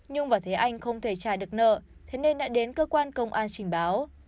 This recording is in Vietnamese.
nhung và thế anh không thể trả được nợ thế nên đã đến cơ quan công an trình báo